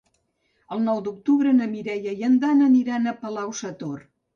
El nou d'octubre na Mireia i en Dan aniran a Palau-sator.